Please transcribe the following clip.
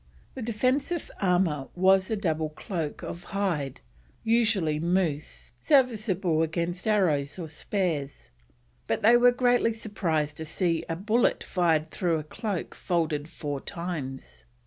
The defensive armour was a double cloak of hide, usually moose, serviceable against arrows or spears, but they were greatly surprised to see a bullet fired through a cloak folded four times.